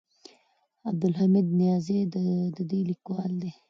عبدالحمید نیازی د دې لیکوال دی.